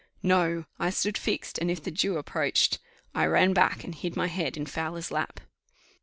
No! I stood fixed, and if the Jew approached, I ran back and hid my head in Fowler's lap.